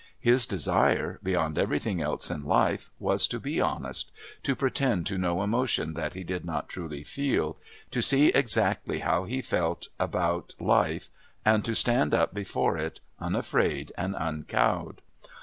His desire, beyond everything else in life, was to be honest: to pretend to no emotion that he did not truly feel, to see exactly how he felt about life, and to stand up before it unafraid and uncowed.